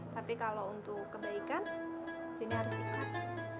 tapi kalo untuk kebaikan dia harus ikat